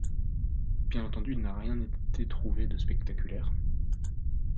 Bien entendu, il n'a rien été trouvé de spectaculaire.